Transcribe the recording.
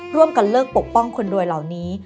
ร่วมกันเลิกปกป้องคนรวยเหล่านี้